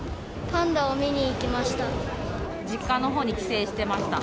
パンダを見に行きました。